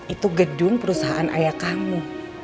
itu gedung perusahaan ayah kamu